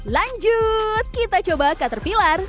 lanjut kita coba qatar pilar